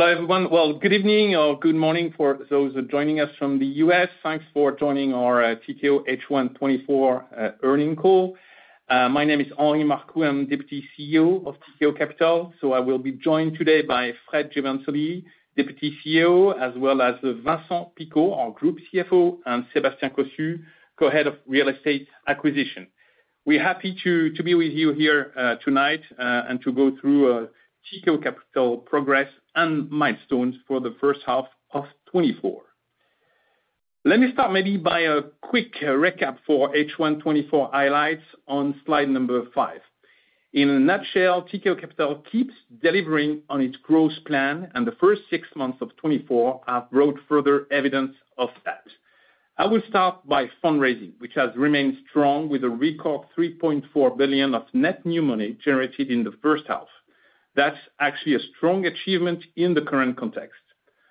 Hello, everyone. Well, good evening or good morning for those who are joining us from the US. Thanks for joining our Tikehau H1 2024 Earnings Call. My name is Henri Marcoux, I'm Deputy CEO of Tikehau Capital, so I will be joined today by Fred Giovansili, Deputy CEO, as well as Vincent Picot, our Group CFO, and Sébastien Cossu, Co-Head of Real Estate Acquisition. We're happy to be with you here tonight and to go through Tikehau Capital progress and milestones for the first half of 2024. Let me start maybe by a quick recap for H1 2024 highlights on slide number five. In a nutshell, Tikehau Capital keeps delivering on its gross plan, and the first six months of 2024 have brought further evidence of that. I will start by fundraising, which has remained strong, with a record 3.4 billion of net new money generated in the first half. That's actually a strong achievement in the current context.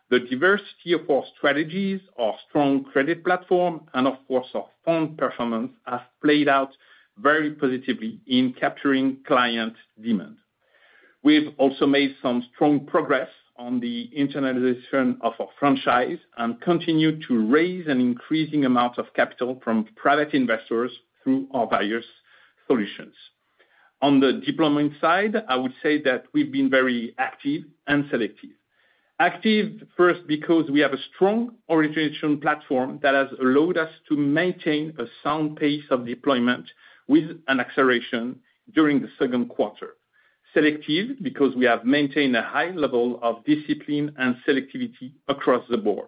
The diversity of our strategies, our strong credit platform, and of course, our fund performance, have played out very positively in capturing client demand. We've also made some strong progress on the internationalization of our franchise, and continue to raise an increasing amount of capital from private investors through our various solutions. On the deployment side, I would say that we've been very active and selective. Active, first, because we have a strong orientation platform that has allowed us to maintain a sound pace of deployment with an acceleration during the second quarter. Selective, because we have maintained a high level of discipline and selectivity across the board.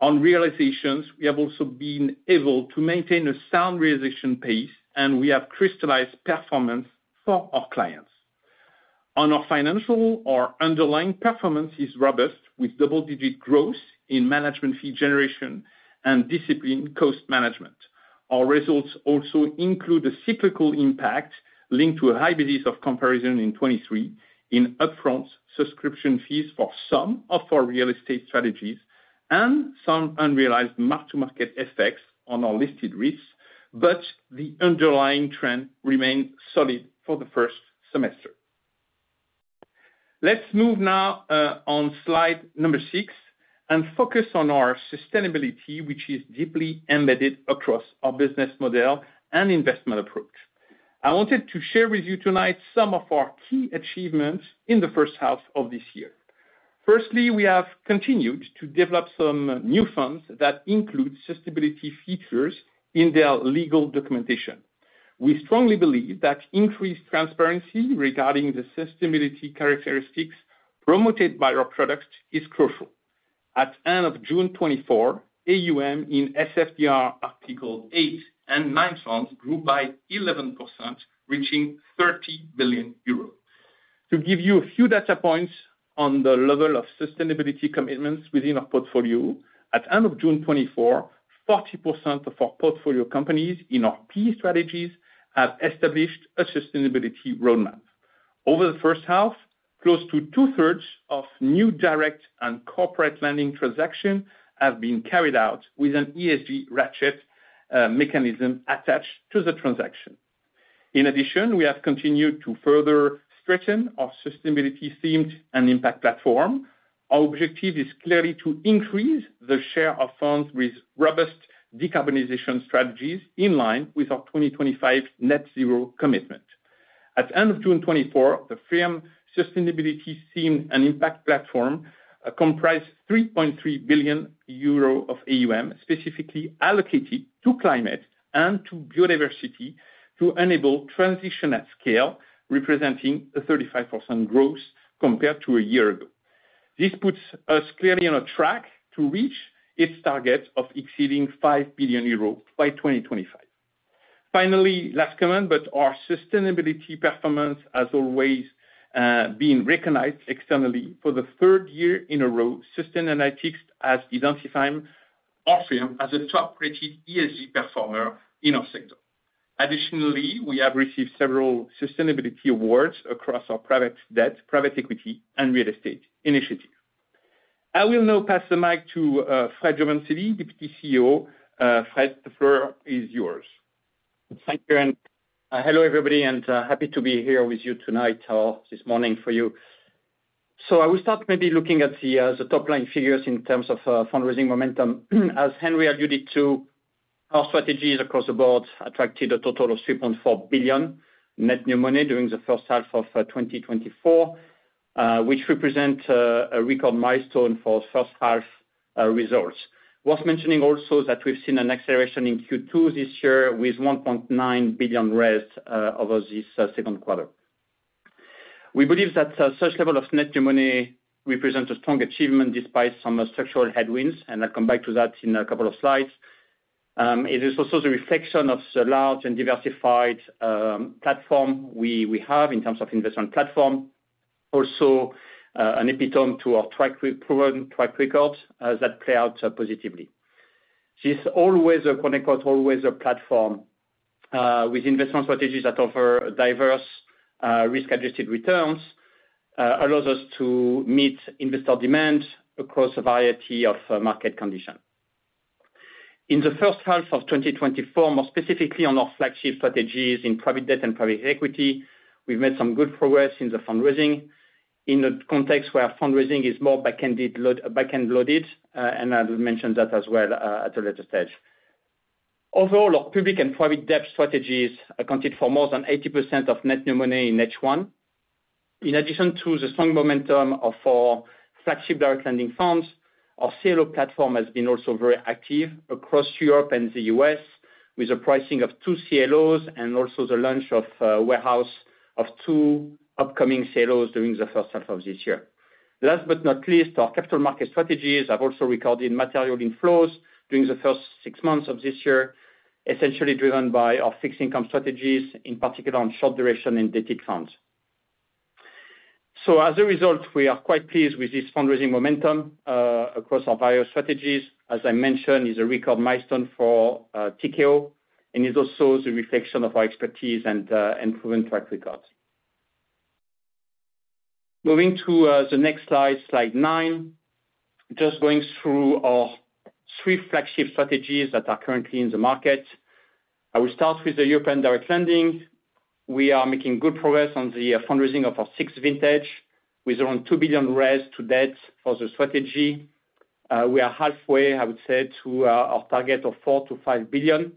On realizations, we have also been able to maintain a sound realization pace, and we have crystallized performance for our clients. On our financial, our underlying performance is robust, with double-digit growth in management fee generation and disciplined cost management. Our results also include a cyclical impact linked to a high basis of comparison in 2023, in upfront subscription fees for some of our real estate strategies, and some unrealized mark-to-market effects on our listed risks, but the underlying trend remained solid for the first semester. Let's move now on slide number six, and focus on our sustainability, which is deeply embedded across our business model and investment approach. I wanted to share with you tonight some of our key achievements in the first half of this year. Firstly, we have continued to develop some new funds that include sustainability features in their legal documentation. We strongly believe that increased transparency regarding the sustainability characteristics promoted by our products is crucial. At end of June 2024, AUM in SFDR Article 8 and 9 funds grew by 11%, reaching 30 billion euros. To give you a few data points on the level of sustainability commitments within our portfolio, at end of June 2024, 40% of our portfolio companies in our key strategies have established a sustainability roadmap. Over the first half, close to 2/3 of new direct and corporate lending transaction have been carried out with an ESG ratchet mechanism attached to the transaction. In addition, we have continued to further strengthen our sustainability themed and impact platform. Our objective is clearly to increase the share of funds with robust decarbonization strategies, in line with our 2025 net zero commitment. At end of June 2024, the firm sustainability themed and impact platform, comprised 3.3 billion euro of AUM, specifically allocated to climate and to biodiversity, to enable transition at scale, representing a 35% growth compared to a year ago. This puts us clearly on a track to reach its target of exceeding 5 billion euros by 2025. Finally, last comment, but our sustainability performance has always been recognized externally. For the 3rd year in a row, Sustainalytics has identified our firm as a top-rated ESG performer in our sector. Additionally, we have received several sustainability awards across our private debt, private equity, and real estate initiative. I will now pass the mic to Fred Giovansili, Deputy CEO. Fred, the floor is yours. Thank you, and, hello, everybody, and, happy to be here with you tonight, or this morning for you. So I will start maybe looking at the, the top-line figures in terms of, fundraising momentum. As Henri alluded to, our strategies across the board attracted a total of 3.4 billion net new money during the first half of, 2024, which represent, a record milestone for first half, results. Worth mentioning also that we've seen an acceleration in Q2 this year, with 1.9 billion raised, over this, second quarter. We believe that, such level of net new money represents a strong achievement, despite some structural headwinds, and I'll come back to that in a couple of slides. It is also the reflection of the large and diversified platform we have in terms of investment platform. Also, an epitome to our proven track record that plays out positively. This is always a quote, unquote, "always a platform," with investment strategies that offer diverse risk-adjusted returns that allows us to meet investor demand across a variety of market conditions. In the first half of 2024, more specifically on our flagship strategies in private debt and private equity, we've made some good progress in the fundraising, in a context where fundraising is more back-end loaded, and I will mention that as well at a later stage. Overall, our public and private debt strategies accounted for more than 80% of net new money in H1. In addition to the strong momentum of our flagship direct lending firms, our CLO platform has been also very active across Europe and the U.S, with the pricing of two CLOs and also the launch of warehouse of two upcoming CLOs during the first half of this year. Last but not least, our capital market strategies have also recorded material inflows during the first six months of this year, essentially driven by our fixed income strategies, in particular on short duration and debt funds. So as a result, we are quite pleased with this fundraising momentum across our various strategies. As I mentioned, it's a record milestone for Tikehau, and it also is a reflection of our expertise and and proven track record. Moving to the next slide, slide nine. Just going through our three flagship strategies that are currently in the market. I will start with the European direct lending. We are making good progress on the fundraising of our sixth vintage, with around 2 billion raised to date for the strategy. We are halfway, I would say, to our target of 4 billion-5 billion.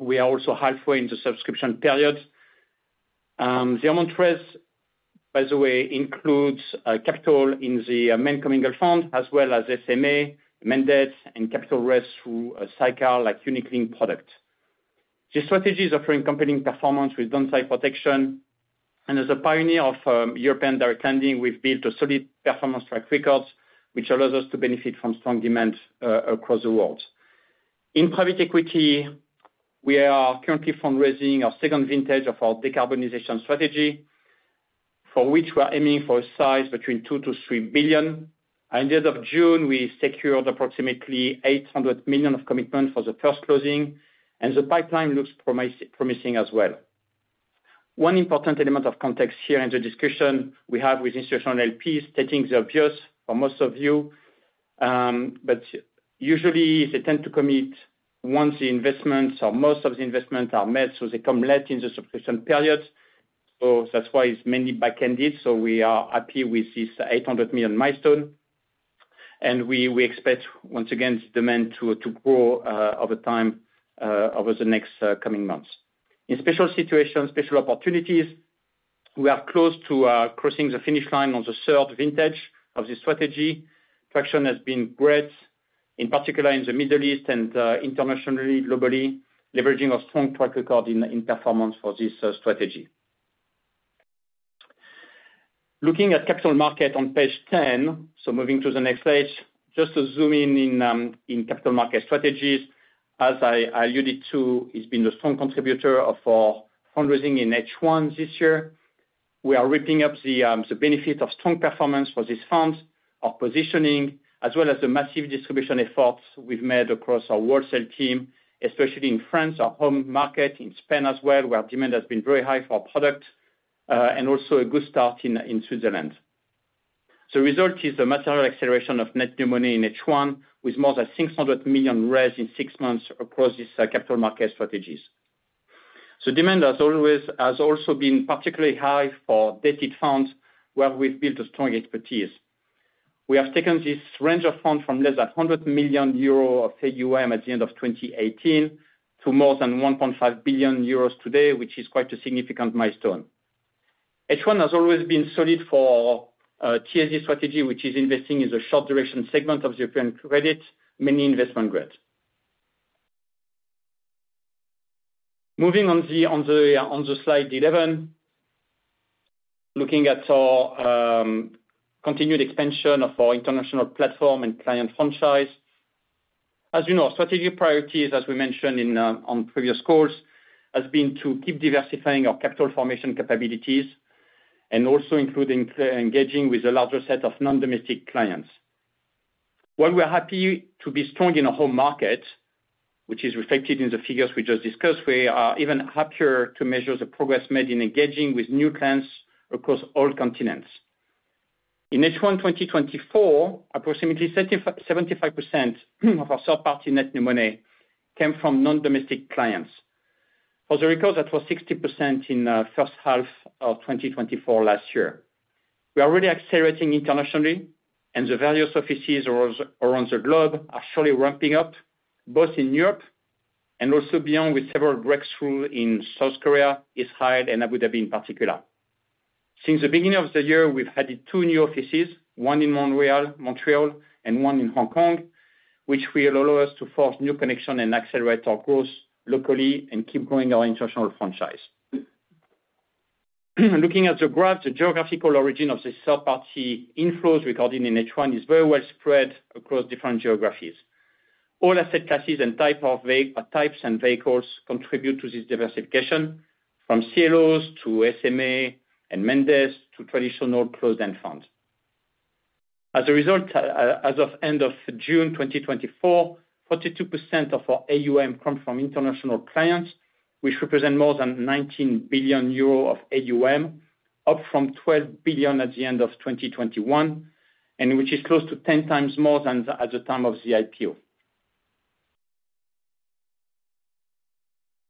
We are also halfway in the subscription period. The amount raised, by the way, includes capital in the main commingled fund, as well as SMA, main debt, and capital raised through SICAV-like unit-linked product. The strategy is offering compelling performance with downside protection, and as a pioneer of European direct lending, we've built a solid performance track records, which allows us to benefit from strong demand across the world. In private equity, we are currently fundraising our second vintage of our decarbonization strategy, for which we're aiming for a size between 2 billion-3 billion. At the end of June, we secured approximately 800 million of commitment for the first closing, and the pipeline looks promising as well. One important element of context here in the discussion we have with institutional LPs, stating the obvious for most of you, but usually they tend to commit once the investments or most of the investments are made, so they come late in the subscription period, so that's why it's mainly backended. So we are happy with this 800 million milestone, and we expect, once again, the demand to grow over time, over the next coming months. In special situations, special opportunities, we are close to crossing the finish line on the third vintage of this strategy. Traction has been great, in particular in the Middle East and internationally, globally, leveraging our strong track record in performance for this strategy. Looking at Capital Markets on page 10, so moving to the next page. Just to zoom in, in capital market strategies, as I alluded to, it's been a strong contributor of our fundraising in H1 this year. We are reaping up the benefit of strong performance for this fund, our positioning, as well as the massive distribution efforts we've made across our wholesale team, especially in France, our home market, in Spain as well, where demand has been very high for our product, and also a good start in Switzerland. The result is a material acceleration of net new money in H1, with more than 600 million raised in six months across these capital market strategies. So demand, as always, has also been particularly high for debt funds, where we've built a strong expertise. We have taken this range of funds from less than 100 million euros of AUM at the end of 2018 to more than 1.5 billion euros today, which is quite a significant milestone. H1 has always been solid for our TSD strategy, which is investing in the short duration segment of European credit, mainly investment grade. Moving on the slide 11, looking at our continued expansion of our international platform and client franchise. As you know, strategic priorities, as we mentioned on previous calls, has been to keep diversifying our capital formation capabilities, and also including engaging with a larger set of non-domestic clients. While we are happy to be strong in our home market, which is reflected in the figures we just discussed, we are even happier to measure the progress made in engaging with new clients across all continents. In H1 2024, approximately 75% of our third party net new money came from non-domestic clients. For the record, that was 60% in the first half of 2023. We are really accelerating internationally, and the various offices around the globe are surely ramping up, both in Europe and also beyond, with several breakthroughs in South Korea, Israel, and Abu Dhabi in particular. Since the beginning of the year, we've added two new offices, one in Montreal and one in Hong Kong, which will allow us to forge new connection and accelerate our growth locally and keep growing our international franchise. Looking at the graph, the geographical origin of this third party inflows recorded in H1 is very well spread across different geographies. All asset classes and types of vehicles contribute to this diversification, from CLOs to SMA and mandates to traditional closed-end funds. As a result, as of end of June 2024, 42% of our AUM come from international clients, which represent more than 19 billion euro of AUM up from 12 billion at the end of 2021, and which is close to 10x more than the, at the time of the IPO.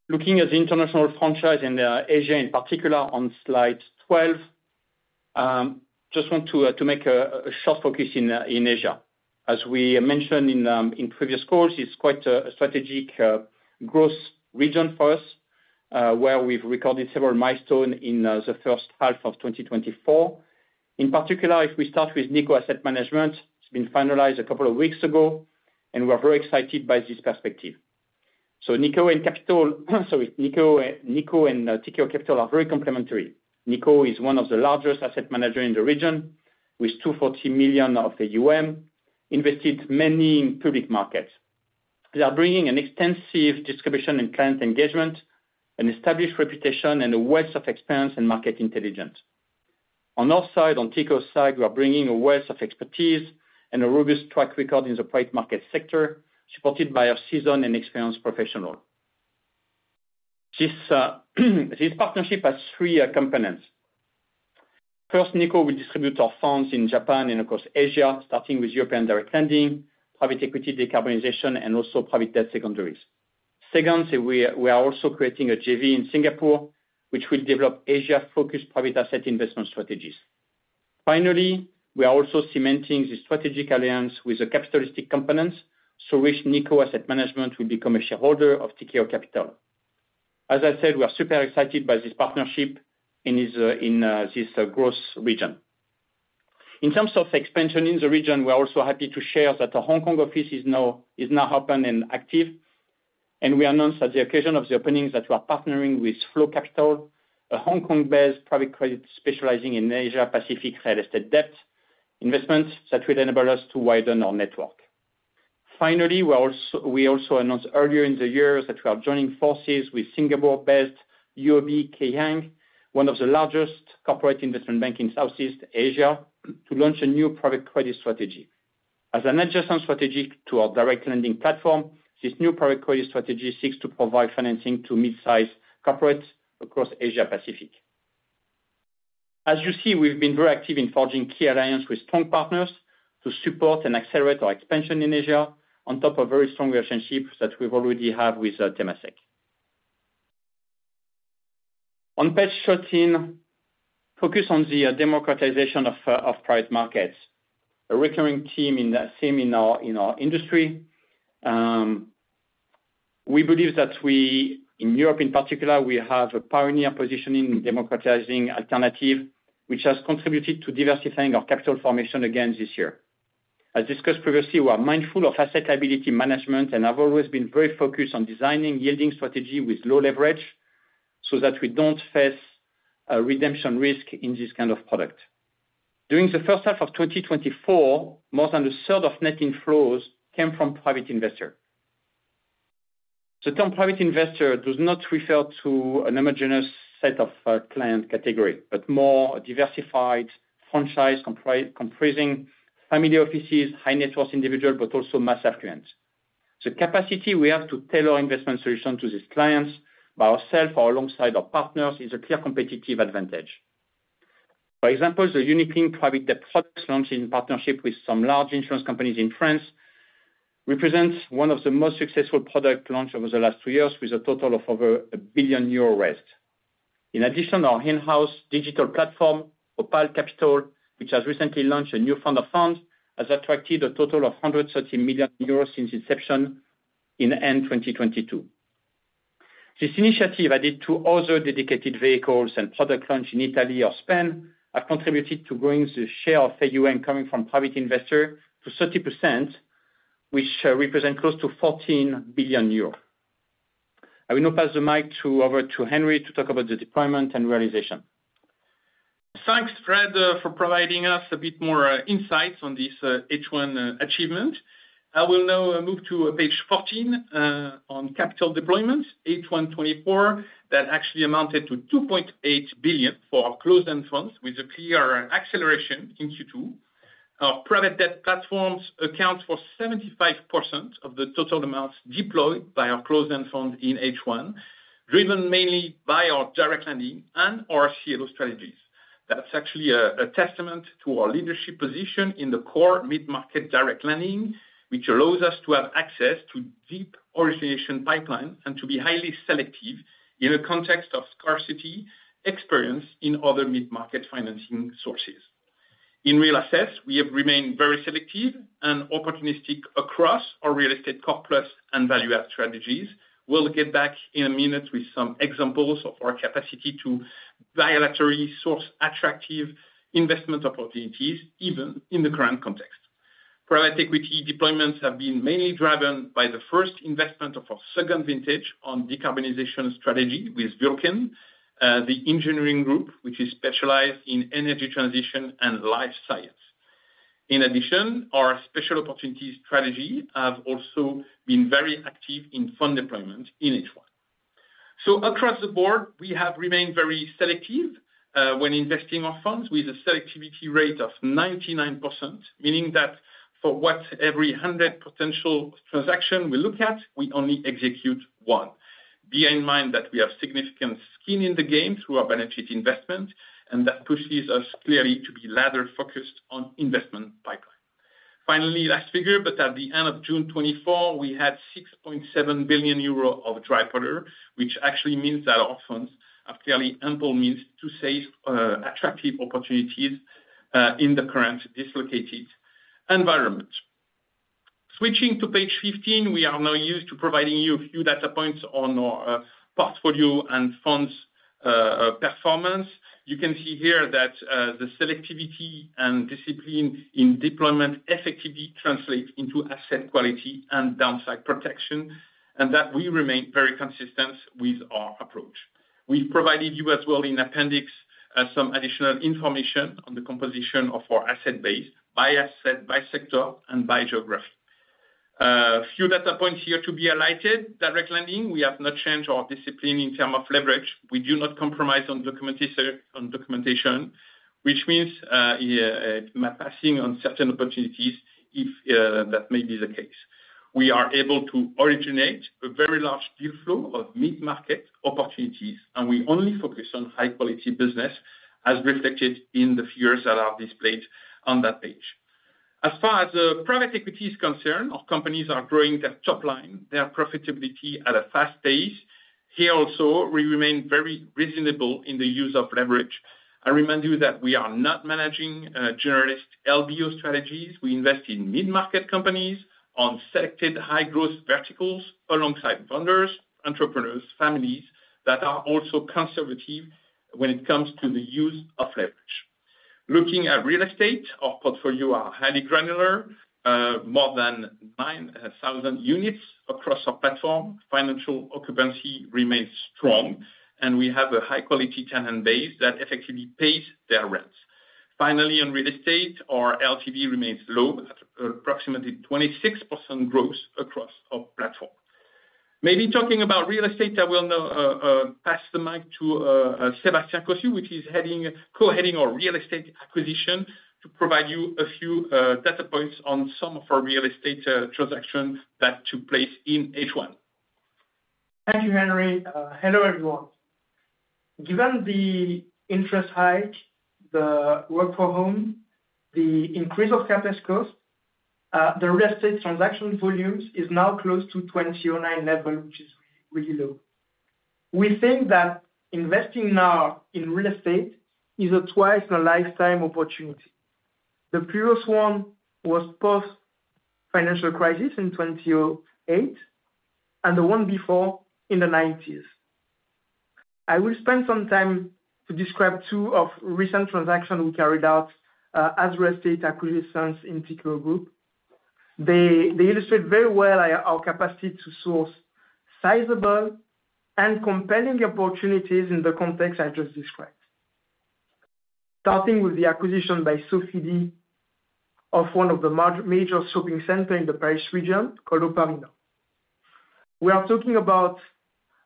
Looking at the international franchise in, Asia in particular on slide 12, just want to make a short focus in, in Asia. As we mentioned in previous calls, it's quite a strategic growth region for us, where we've recorded several milestones in the first half of 2024. In particular, if we start with Nikko Asset Management, it's been finalized a couple of weeks ago, and we're very excited by this perspective. So Nikko and Capital, sorry, Nikko and Tikehau Capital are very complementary. Nikko is one of the largest asset manager in the region, with 240 million of AUM, invested mainly in public markets. They are bringing an extensive distribution and client engagement, an established reputation, and a wealth of experience and market intelligence. On our side, on Tikehau's side, we are bringing a wealth of expertise and a robust track record in the private market sector, supported by a seasoned and experienced professional. This, this partnership has three components. First, Nikko will distribute our funds in Japan and across Asia, starting with European direct lending, private equity decarbonization, and also private debt secondaries. Second, we are, we are also creating a JV in Singapore, which will develop Asia-focused private asset investment strategies. Finally, we are also cementing the strategic alliance with the capitalistic components, through which Nikko Asset Management will become a shareholder of Tikehau Capital. As I said, we are super excited by this partnership in this, in, this, growth region. In terms of expansion in the region, we are also happy to share that the Hong Kong office is now, is now open and active. And we announced at the occasion of the opening that we are partnering with Flow Capital, a Hong Kong-based private credit specializing in Asia Pacific real estate debt investments that will enable us to widen our network. Finally, we also announced earlier in the year that we are joining forces with Singapore-based UOB Kay Hian, one of the largest corporate investment bank in Southeast Asia, to launch a new private credit strategy. As an adjacent strategy to our direct lending platform, this new private credit strategy seeks to provide financing to mid-sized corporates across Asia Pacific. As you see, we've been very active in forging key alliance with strong partners to support and accelerate our expansion in Asia, on top of very strong relationships that we already have with Temasek. On page 13, focus on the democratization of private markets, a recurring theme in our industry. We believe that we, in Europe in particular, we have a pioneer position in democratizing alternative, which has contributed to diversifying our capital formation again this year. As discussed previously, we are mindful of asset liability management, and I've always been very focused on designing yielding strategy with low leverage so that we don't face a redemption risk in this kind of product. During the first half of 2024, more than a third of net inflows came from private investor. The term private investor does not refer to a homogenous set of client category, but more a diversified franchise comprising family offices, high net worth individual, but also mass affluents. The capacity we have to tailor investment solution to these clients, by ourself or alongside our partners, is a clear competitive advantage. For example, the unit-linked private debt product launch in partnership with some large insurance companies in France, represents one of the most successful product launch over the last two years, with a total of over 1 billion euro raised. In addition, our in-house digital platform, Opale Capital, which has recently launched a new fund of funds, has attracted a total of 130 million euros since inception in end 2022. This initiative, added to other dedicated vehicles and product launch in Italy or Spain, have contributed to growing the share of AUM coming from private investor to 30%, which represent close to 14 billion euros. I will now pass the mic over to Henri to talk about the deployment and realization. Thanks, Fred, for providing us a bit more insights on this H1 achievement. I will now move to page 14 on capital deployment. H1 2024, that actually amounted to 2.8 billion for our closed-end funds, with a clear acceleration in Q2. Our private debt platforms account for 75% of the total amounts deployed by our closed-end funds in H1, driven mainly by our direct lending and our CLO strategies. That's actually a testament to our leadership position in the core mid-market direct lending, which allows us to have access to deep origination pipeline and to be highly selective in a context of scarcity experience in other mid-market financing sources. In real assets, we have remained very selective and opportunistic across our real estate core plus and value add strategies. We'll get back in a minute with some examples of our capacity to bilaterally source attractive investment opportunities, even in the current context. Private equity deployments have been mainly driven by the first investment of our second vintage on decarbonization strategy with Vulcain, the engineering group, which is specialized in energy transition and life science. In addition, our special opportunities strategy have also been very active in fund deployment in H1. So across the board, we have remained very selective, when investing our funds with a selectivity rate of 99%, meaning that for what every 100 potential transaction we look at, we only execute one. Bear in mind that we have significant skin in the game through our balance sheet investment, and that pushes us clearly to be ladder-focused on investment pipeline.... Finally, last figure, but at the end of June 2024, we had 6.7 billion euro of dry powder, which actually means that our funds have clearly ample means to save attractive opportunities in the current dislocated environment. Switching to page 15, we are now used to providing you a few data points on our portfolio and funds performance. You can see here that the selectivity and discipline in deployment effectively translates into asset quality and downside protection, and that we remain very consistent with our approach. We've provided you as well in appendix some additional information on the composition of our asset base by asset, by sector, and by geography. Few data points here to be highlighted. Direct lending, we have not changed our discipline in term of leverage. We do not compromise on documentation, which means, yeah, passing on certain opportunities if that may be the case. We are able to originate a very large deal flow of mid-market opportunities, and we only focus on high quality business, as reflected in the figures that are displayed on that page. As far as private equity is concerned, our companies are growing their top line, their profitability at a fast pace. Here also, we remain very reasonable in the use of leverage. I remind you that we are not managing generalist LBO strategies. We invest in mid-market companies on selected high growth verticals alongside founders, entrepreneurs, families that are also conservative when it comes to the use of leverage. Looking at real estate, our portfolio are highly granular, more than 9,000 units across our platform. Financial occupancy remains strong, and we have a high quality tenant base that effectively pays their rents. Finally, on real estate, our LTV remains low at approximately 26% growth across our platform. Maybe talking about real estate, I will now pass the mic to Sébastien Cossu, who is co-heading our real estate acquisition, to provide you a few data points on some of our real estate transactions that took place in H1. Thank you, Henri. Hello, everyone. Given the interest hike, the work from home, the increase of CapEx cost, the real estate transaction volumes is now close to 29 billion level, which is really low. We think that investing now in real estate is a once in a lifetime opportunity. The previous one was post-financial crisis in 2008, and the one before, in the 1990s. I will spend some time to describe two recent transactions we carried out, as real estate acquisitions in Tikehau Capital. They illustrate very well our capacity to source sizable and compelling opportunities in the context I just described. Starting with the acquisition by Sofidy of one of the major shopping centers in the Paris region, called O'Parinor. We are talking about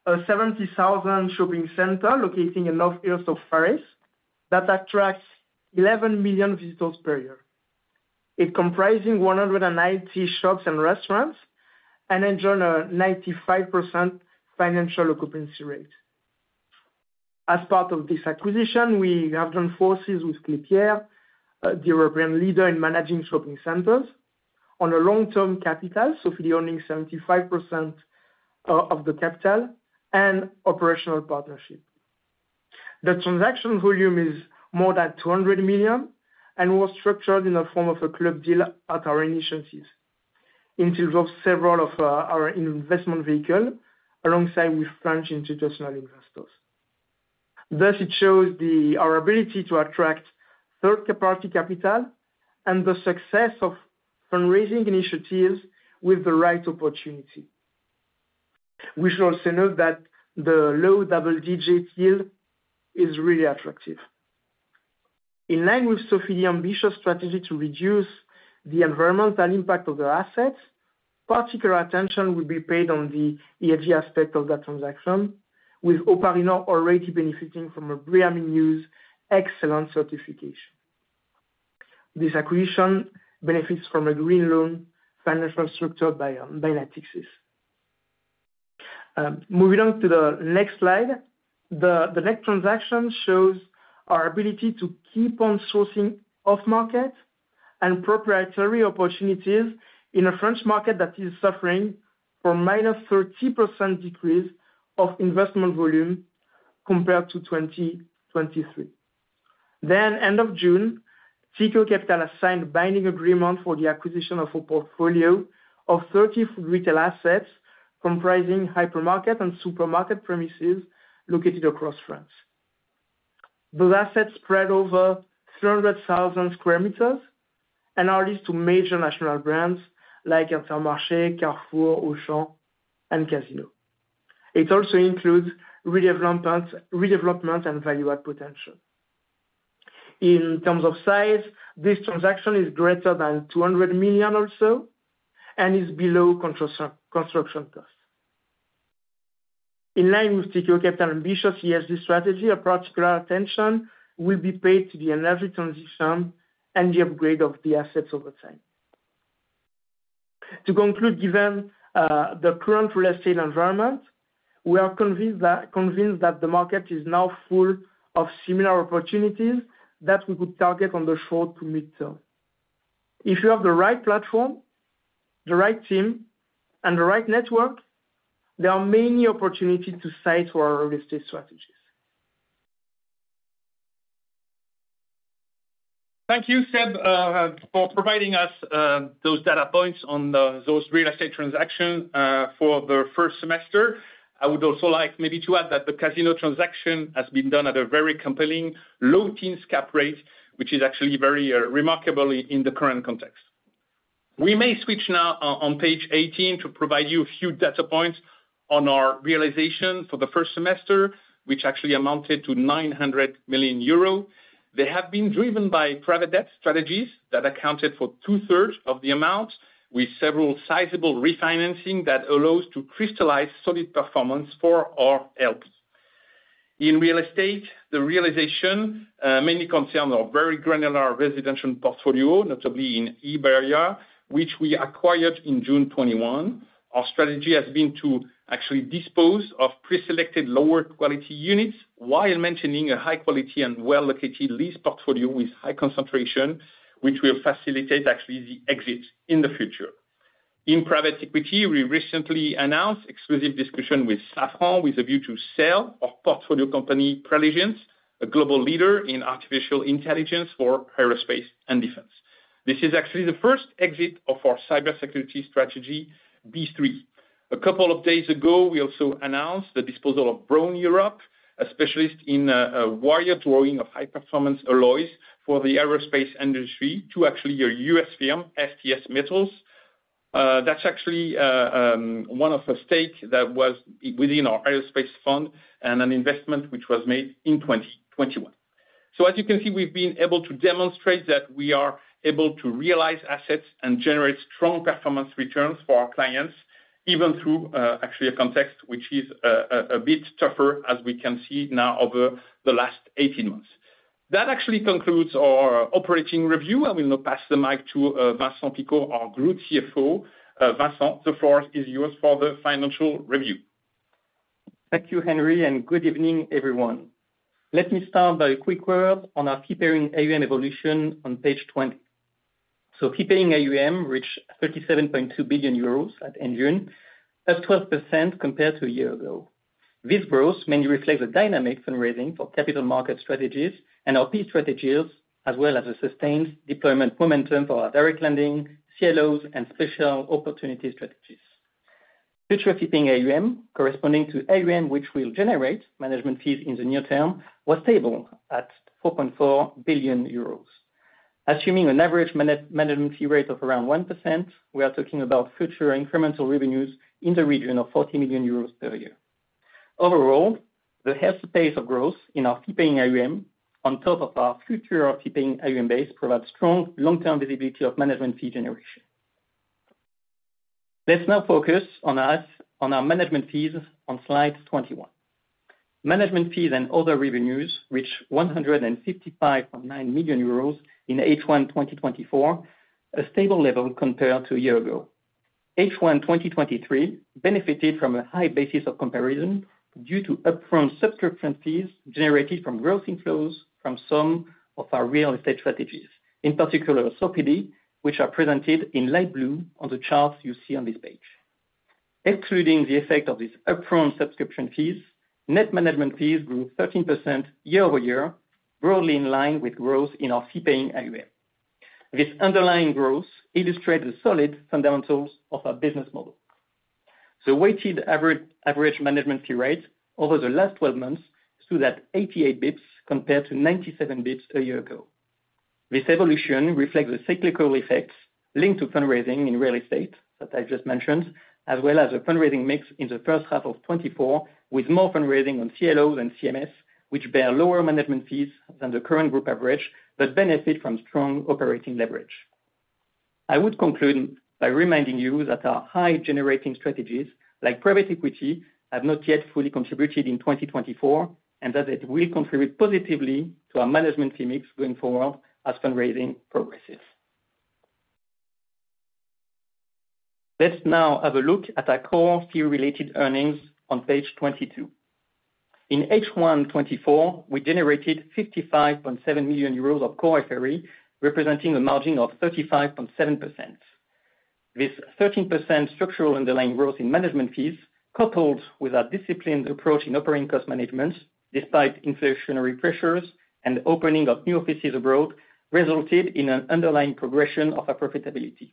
a 70,000 shopping center located in northeast of Paris, that attracts 11 million visitors per year. It comprising 190 shops and restaurants, and enjoy a 95% financial occupancy rate. As part of this acquisition, we have joined forces with Klépierre, the European leader in managing shopping centers, on a long-term capital, Sofidy owning 75%, of the capital and operational partnership. The transaction volume is more than 200 million and was structured in the form of a club deal at our initiatives, in terms of several of our investment vehicle, alongside with French institutional investors. Thus, it shows our ability to attract third-party capital and the success of fundraising initiatives with the right opportunity. We should also note that the low double-digit yield is really attractive. In line with Sofidy's ambitious strategy to reduce the environmental impact of their assets, particular attention will be paid on the ESG aspect of that transaction, with O'Parinor already benefiting from a BREEAM In-Use excellent certification. This acquisition benefits from a green loan financial structure by Natixis. Moving on to the next slide. The next transaction shows our ability to keep on sourcing off-market and proprietary opportunities in a French market that is suffering from -30% decrease of investment volume compared to 2023. At the end of June, Tikehau Capital signed a binding agreement for the acquisition of a portfolio of 30 retail assets, comprising hypermarket and supermarket premises located across France. Those assets spread over 300,000 square meters and are leased to major national brands like Intermarché, Carrefour, Auchan, and Casino. It also includes redevelopment and value add potential. In terms of size, this transaction is greater than 200 million also, and is below construction cost. In line with Tikehau Capital's ambitious ESG strategy, a particular attention will be paid to the energy transition and the upgrade of the assets over time. To conclude, given the current real estate environment, we are convinced that, convinced that the market is now full of similar opportunities that we could target on the short to midterm. If you have the right platform, the right team, and the right network, there are many opportunities to cite to our real estate strategies. Thank you, Seb, for providing us those data points on the those real estate transaction for the first semester. I would also like maybe to add that the Casino transaction has been done at a very compelling low teens cap rate, which is actually very remarkably in the current context. We may switch now on page 18 to provide you a few data points on our realization for the first semester, which actually amounted to 900 million euro. They have been driven by private debt strategies that accounted for 2/3 of the amount, with several sizable refinancing that allows to crystallize solid performance for our health. In real estate, the realization mainly concerned our very granular residential portfolio, notably in Iberia, which we acquired in June 2021. Our strategy has been to actually dispose of preselected lower quality units, while maintaining a high quality and well-located lease portfolio with high concentration, which will facilitate actually the exit in the future. In private equity, we recently announced exclusive discussion with Safran, with a view to sell our portfolio company, Preligence, a global leader in artificial intelligence for aerospace and defense. This is actually the first exit of our cybersecurity strategy, B3. A couple of days ago, we also announced the disposal of Brown Europe, a specialist in wire drawing of high-performance alloys for the aerospace industry to actually a U.S. firm, STS Metals. That's actually one of the stake that was within our aerospace fund and an investment which was made in 2021. As you can see, we've been able to demonstrate that we are able to realize assets and generate strong performance returns for our clients, even through, actually a context which is, a bit tougher, as we can see now over the last 18 months. That actually concludes our operating review. I will now pass the mic to, Vincent Picot, our Group CFO. Vincent, the floor is yours for the financial review. Thank you, Henry, and good evening, everyone. Let me start by a quick word on our fee-paying AUM evolution on page 20. So fee-paying AUM reached 37.2 billion euros at end June, up 12% compared to a year ago. This growth mainly reflects the dynamic fundraising for capital market strategies and PE strategies, as well as a sustained deployment momentum for our direct lending, CLOs, and special opportunity strategies. Future fee-paying AUM, corresponding to AUM, which will generate management fees in the near term, was stable at 4.4 billion euros. Assuming an average management fee rate of around 1%, we are talking about future incremental revenues in the region of 40 million euros per year. Overall, the healthy pace of growth in our fee-paying AUM on top of our future fee-paying AUM base provides strong long-term visibility of management fee generation. Let's now focus on us, on our management fees on slide 21. Management fees and other revenues reached 155.9 million euros in H1 2024, a stable level compared to a year ago. H1 2023 benefited from a high basis of comparison due to upfront subscription fees generated from growth inflows from some of our real estate strategies, in particular, Sofidy, which are presented in light blue on the charts you see on this page. Excluding the effect of these upfront subscription fees, net management fees grew 13% year-over-year, broadly in line with growth in our fee-paying AUM. This underlying growth illustrates the solid fundamentals of our business model. The weighted average, average management fee rate over the last 12 months stood at 88 basis points, compared to 97 basis points a year ago. This evolution reflects the cyclical effects linked to fundraising in real estate, that I just mentioned, as well as a fundraising mix in the first half of 2024, with more fundraising on CLO than CMS, which bear lower management fees than the current group average, but benefit from strong operating leverage. I would conclude by reminding you that our high-generating strategies, like private equity, have not yet fully contributed in 2024, and that it will contribute positively to our management fee mix going forward as fundraising progresses. Let's now have a look at our core fee-related earnings on page 22. In H1 2024, we generated 55.7 million euros of core FRE, representing a margin of 35.7%. This 13% structural underlying growth in management fees, coupled with our disciplined approach in operating cost management, despite inflationary pressures and opening of new offices abroad, resulted in an underlying progression of our profitability.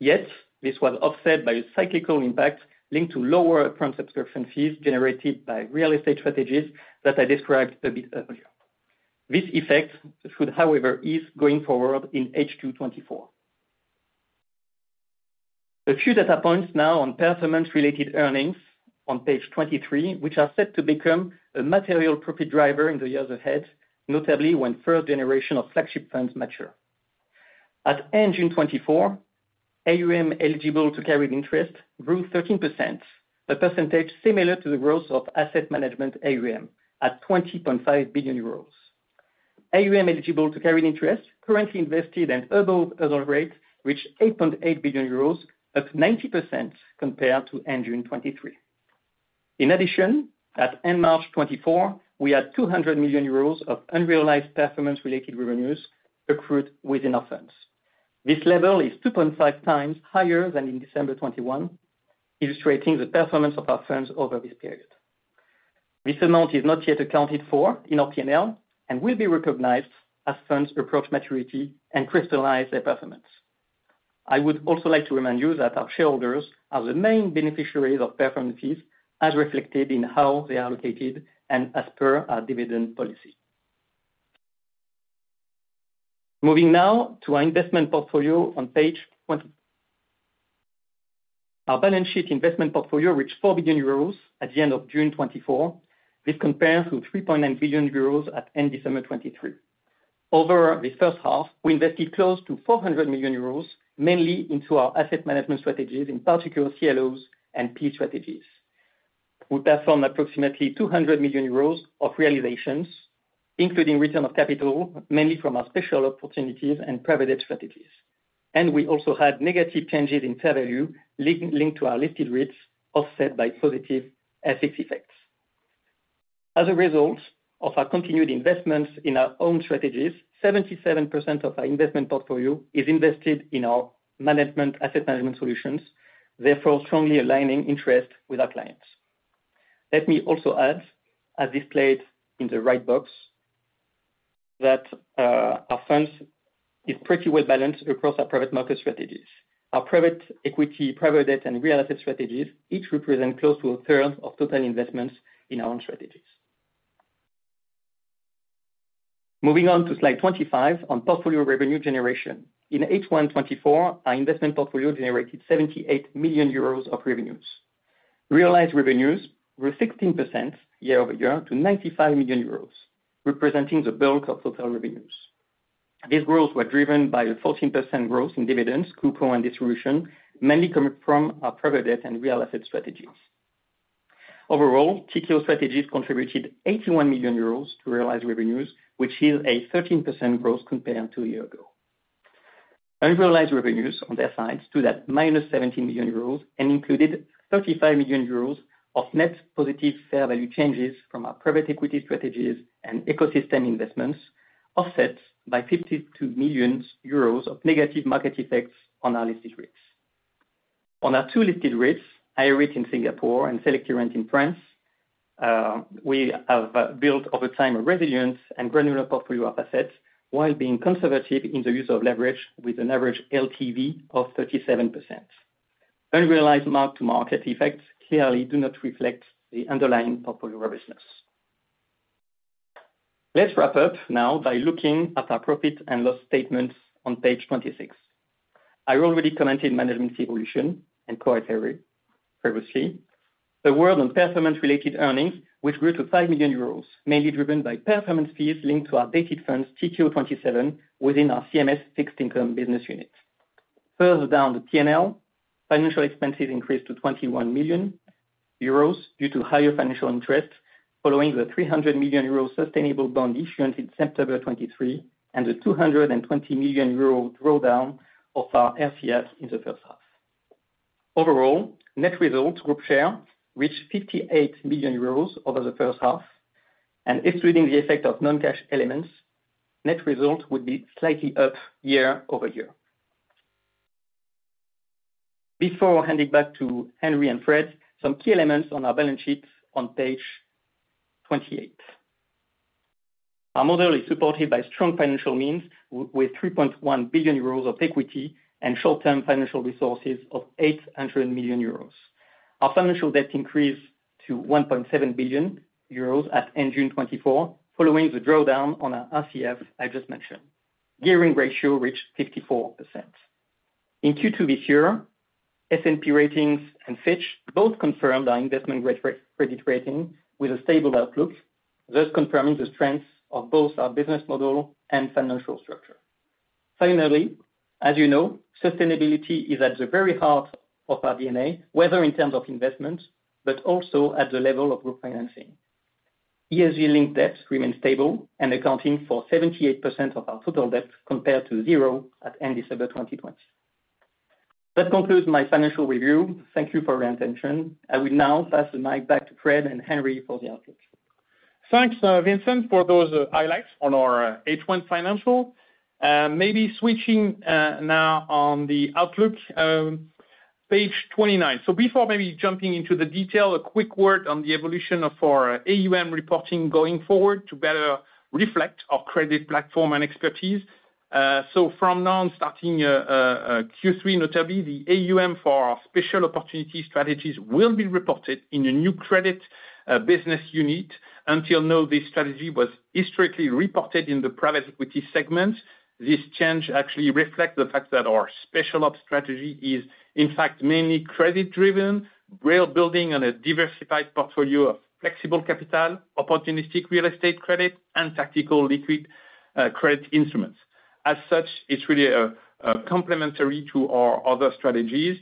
Yet, this was offset by a cyclical impact linked to lower upfront subscription fees generated by real estate strategies that I described a bit earlier. This effect should, however, ease going forward in H2 2024. A few data points now on performance-related earnings on page 23, which are set to become a material profit driver in the years ahead, notably when third generation of flagship funds mature. At end June 2024, AUM eligible to carried interest grew 13%, a percentage similar to the growth of asset management AUM at 20.5 billion euros.... AUM eligible to carry an interest currently invested and above other rates reached 8.8 billion euros, up 90% compared to end June 2023. In addition, at end March 2024, we had 200 million euros of unrealized performance-related revenues accrued within our funds. This level is 2.5x higher than in December 2021, illustrating the performance of our funds over this period. This amount is not yet accounted for in our P&L, and will be recognized as funds approach maturity and crystallize their performance. I would also like to remind you that our shareholders are the main beneficiaries of performance fees, as reflected in how they are allocated and as per our dividend policy. Moving now to our investment portfolio on page 20. Our balance sheet investment portfolio reached 4 billion euros at the end of June 2024. This compares to 3.9 billion euros at end December 2023. Over the first half, we invested close to 400 million euros, mainly into our asset management strategies, in particular CLOs and peer strategies. We performed approximately 200 million euros of realizations, including return of capital, mainly from our special opportunities and private strategies. And we also had negative changes in fair value, linked to our listed rates, offset by positive FX effects. As a result of our continued investments in our own strategies, 77% of our investment portfolio is invested in our management, asset management solutions, therefore strongly aligning interest with our clients. Let me also add, as displayed in the right box, that our funds is pretty well balanced across our private market strategies. Our Private Equity, Private Debt, and Real Assets strategies each represent close to 1/3 of total investments in our own strategies. Moving on to slide 25 on portfolio revenue generation. In H1 2024, our investment portfolio generated 78 million euros of revenues. Realized revenues were 16% year-over-year to 95 million euros, representing the bulk of total revenues. These growth were driven by a 14% growth in dividends, coupon, and distribution, mainly coming from our Private Debt and Real Assets strategies. Overall, Tikehau strategies contributed 81 million euros to realized revenues, which is a 13% growth compared to a year ago. Unrealized revenues on their sides stood at -17 million euros, and included 35 million euros of net positive fair value changes from our Private Equity strategies and ecosystem investments, offset by 52 million euros of negative market effects on our listed rates. On our two listed REITs, IREIT in Singapore and Selectirente in France, we have built over time a resilient and granular portfolio of assets, while being conservative in the use of leverage with an average LTV of 37%. Unrealized mark-to-market effects clearly do not reflect the underlying portfolio robustness. Let's wrap up now by looking at our profit and loss statements on page 26. I already commented management's evolution and Core FRE previously. A word on performance-related earnings, which grew to 5 million euros, mainly driven by performance fees linked to our dated funds, Tikehau 2027, within our CMS fixed income business unit. Further down the P&L, financial expenses increased to 21 million euros due to higher financial interest, following the 300 million euro sustainable bond issuance in September 2023, and the 220 million euro drawdown of our RCF in the first half. Overall, net results group share reached 58 million euros over the first half, and excluding the effect of non-cash elements, net result would be slightly up year over year. Before handing back to Henri and Fred, some key elements on our balance sheets on page 28. Our model is supported by strong financial means with 3.1 billion euros of equity and short-term financial resources of 800 million euros. Our financial debt increased to 1.7 billion euros at end June 2024, following the drawdown on our RCF I just mentioned. Gearing ratio reached 54%. In Q2 this year, S&P Ratings and Fitch both confirmed our investment credit rating with a stable outlook, thus confirming the strength of both our business model and financial structure. Finally, as you know, sustainability is at the very heart of our DNA, whether in terms of investment, but also at the level of group financing. ESG-linked debt remains stable and accounting for 78% of our total debt, compared to zero at end December 2020. That concludes my financial review. Thank you for your attention. I will now pass the mic back to Fred and Henry for the outlook. Thanks, Vincent, for those highlights on our H1 financial. Maybe switching now on the outlook, page 29. So before maybe jumping into the detail, a quick word on the evolution of our AUM reporting going forward to better reflect our credit platform and expertise. So from now, starting Q3, notably, the AUM for our special opportunity strategies will be reported in a new credit business unit. Until now, this strategy was historically reported in the private equity segment. This change actually reflects the fact that our special op strategy is, in fact, mainly credit driven, really building on a diversified portfolio of flexible capital, opportunistic real estate credit, and tactical liquid credit instruments. As such, it's really complementary to our other strategies.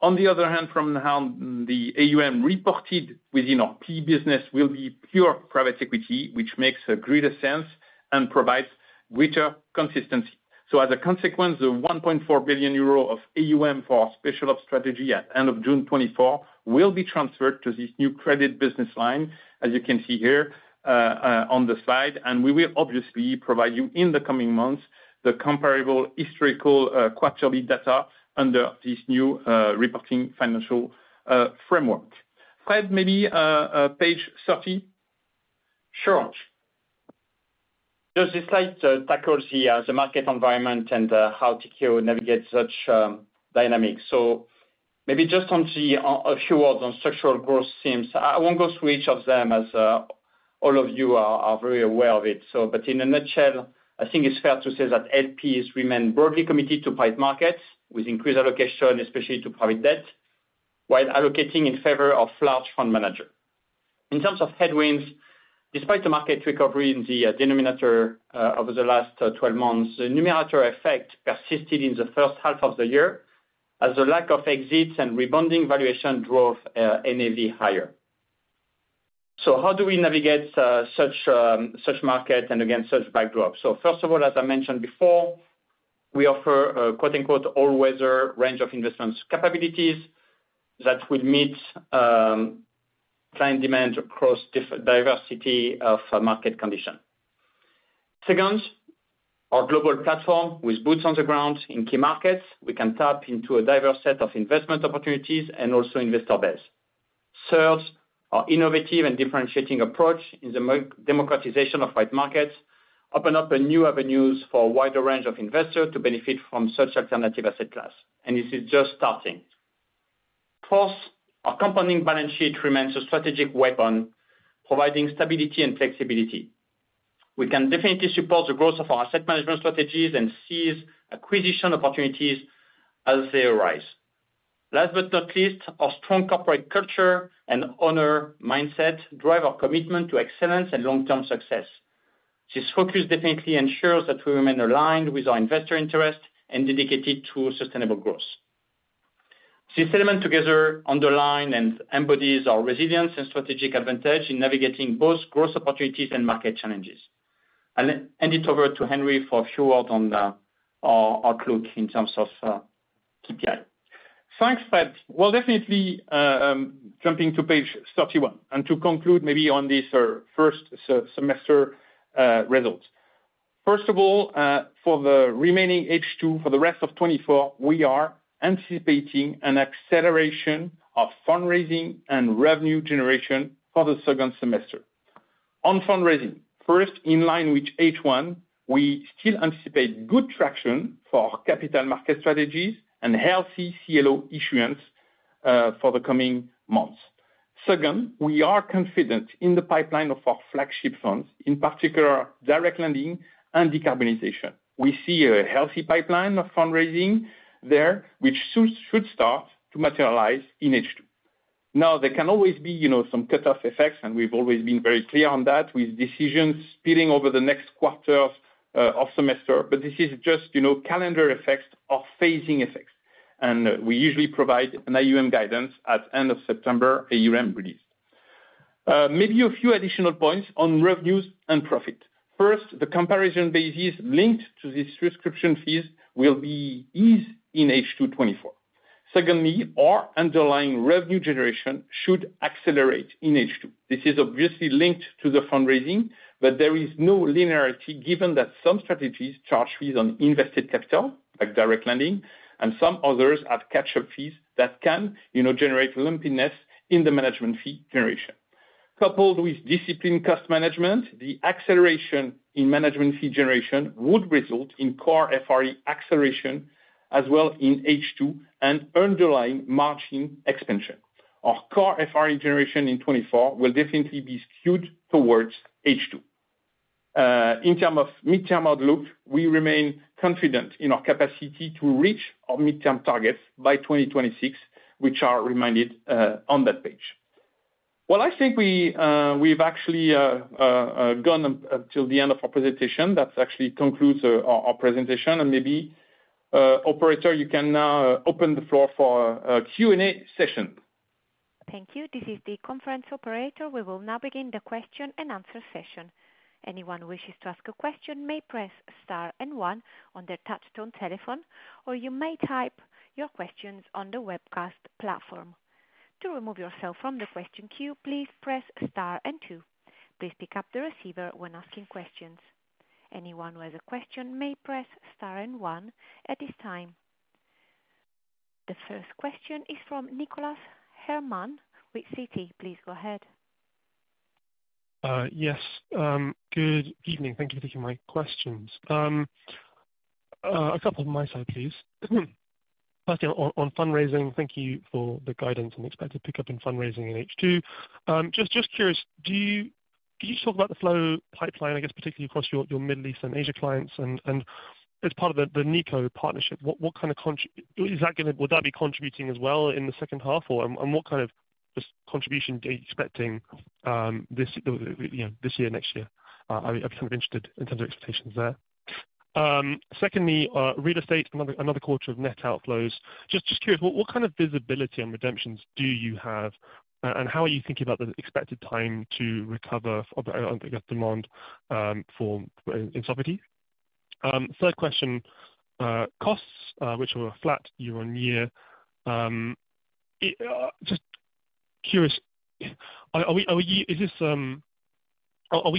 On the other hand, from how the AUM reported within our key business will be pure private equity, which makes greater sense and provides greater consistency. So as a consequence, the 1.4 billion euro of AUM for our special op strategy at end of June 2024, will be transferred to this new credit business line, as you can see here, on the slide. We will obviously provide you, in the coming months, the comparable historical, quarterly data under this new, reporting financial, framework. Fred, maybe, page 30. Sure. Just this slide tackles the market environment and how Tikehau navigates such dynamics. So maybe just on a few words on structural growth themes. I won't go through each of them, as all of you are very aware of it, so but in a nutshell, I think it's fair to say that LPs remain broadly committed to private markets with increased allocation, especially to private debt, while allocating in favor of large fund manager. In terms of headwinds, despite the market recovery in the denominator over the last 12 months, the numerator effect persisted in the first half of the year, as the lack of exits and rebounding valuation drove NAV higher. So how do we navigate such market and, again, such backdrop? So first of all, as I mentioned before, we offer a quote, unquote, "all-weather range of investment capabilities" that will meet client demand across different diversity of market condition. Second, our global platform with boots on the ground in key markets, we can tap into a diverse set of investment opportunities and also investor base. Third, our innovative and differentiating approach in the democratization of private markets open up a new avenues for a wider range of investors to benefit from such alternative asset class, and this is just starting. Fourth, our company balance sheet remains a strategic weapon, providing stability and flexibility. We can definitely support the growth of our asset management strategies and seize acquisition opportunities as they arise. Last but not least, our strong corporate culture and owner mindset drive our commitment to excellence and long-term success. This focus definitely ensures that we remain aligned with our investor interest and dedicated to sustainable growth. These elements together underline and embodies our resilience and strategic advantage in navigating both growth opportunities and market challenges. I'll hand it over to Henri for a few words on our outlook in terms of KPI. Thanks, Fred. Well, definitely, jumping to page 31, and to conclude maybe on this first semester results. First of all, for the remaining H2, for the rest of 2024, we are anticipating an acceleration of fundraising and revenue generation for the second semester. On fundraising, first, in line with H1, we still anticipate good traction for our capital market strategies and healthy CLO issuance for the coming months. Second, we are confident in the pipeline of our flagship funds, in particular, direct lending and decarbonization. We see a healthy pipeline of fundraising there, which soon should start to materialize in H2. Now, there can always be, you know, some cutoff effects, and we've always been very clear on that, with decisions spilling over the next quarter of semester. But this is just, you know, calendar effects or phasing effects, and we usually provide an AUM guidance at end of September AUM release. Maybe a few additional points on revenues and profit. First, the comparison basis linked to these subscription fees will be eased in H2 2024. Secondly, our underlying revenue generation should accelerate in H2. This is obviously linked to the fundraising, but there is no linearity, given that some strategies charge fees on invested capital, like direct lending, and some others have capture fees that can, you know, generate lumpiness in the management fee generation. Coupled with disciplined cost management, the acceleration in management fee generation would result in core FRE acceleration, as well in H2, and underlying margin expansion. Our core FRE generation in 2024 will definitely be skewed towards H2. In terms of mid-term outlook, we remain confident in our capacity to reach our mid-term targets by 2026, which are reminded on that page. Well, I think we, we've actually gone until the end of our presentation. That actually concludes our presentation, and maybe, Operator, you can now open the floor for a Q&A session. Thank you. This is the conference operator. We will now begin the question-and-answer session. Anyone who wishes to ask a question may press star and one on their touchtone telephone, or you may type your questions on the webcast platform. To remove yourself from the question queue, please press star and two. Please pick up the receiver when asking questions. Anyone who has a question may press star and one at this time. The first question is from Nicholas Herman with Citi. Please go ahead. Yes. Good evening. Thank you for taking my questions. A couple on my side, please. First thing, on fundraising, thank you for the guidance and expected pickup in fundraising in H2. Just curious, can you talk about the flow pipeline, I guess, particularly across your Middle East and Asia clients, and as part of the Nikko partnership, will that be contributing as well in the second half, or, and what kind of contribution are you expecting, this you know, this year, next year? I'd be kind of interested in terms of expectations there. Secondly, real estate, another quarter of net outflows. Just curious, what kind of visibility on redemptions do you have? And how are you thinking about the expected time to recover of, I think, the demand for in Sofidy? Third question, costs which were flat year-on-year. Just curious, are we